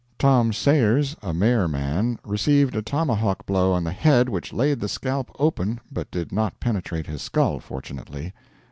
'Tom Sayers,' a Mare man, received a tomahawk blow on the head which laid the scalp open but did not penetrate his skull, fortunately.